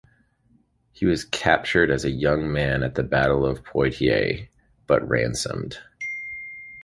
He was captured as a young man at the Battle of Poitiers, but ransomed.